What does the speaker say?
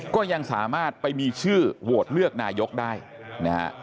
ก็ยังสามารถไปมีชื่อโหวตเลือกนายกได้นะฮะ